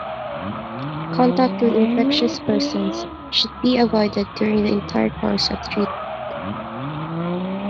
Contact with infectious persons should be avoided during the entire course of treatment.